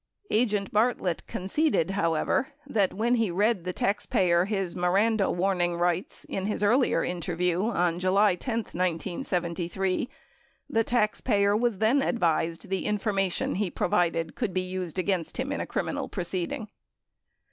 Agent Bartlett conceded, however, that when he read the tax payer his Miranda warning rights in his earlier interview on July 10, 1973, the taxpayer was then advised the information he provided could be used against him in a criminal proceeding.